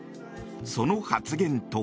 その発言とは。